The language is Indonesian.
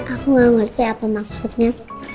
aku gak ngerti apa maksudnya